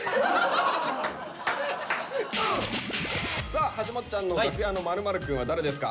さあはしもっちゃんの「楽屋の○○くん」は誰ですか？